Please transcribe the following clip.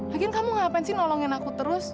hakim kamu ngapain sih nolongin aku terus